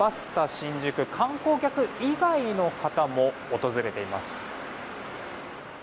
新宿観光客以外の方も訪れています。